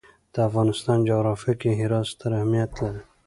د افغانستان جغرافیه کې هرات ستر اهمیت لري.